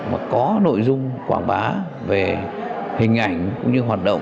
mà có nội dung quảng bá về hình ảnh cũng như hoạt động